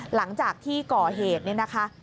หลังจากที่ก่อเหตุเนี่ยนะคะ